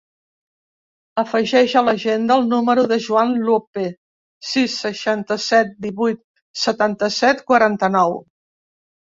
Afegeix a l'agenda el número del Juan Lope: sis, seixanta-set, divuit, setanta-set, quaranta-nou.